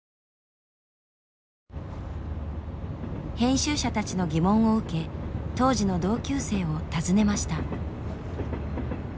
編集者たちの疑問を受け当時の同級生を訪ねました。